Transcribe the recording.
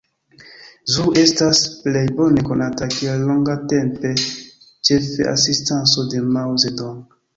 Zhou estas plej bone konata kiel longtempa ĉefa asistanto de Mao Zedong.